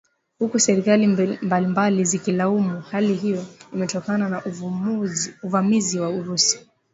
huku serikali mbalimbali zikilaumu hali hiyo imetokana na uvamizi wa Urusi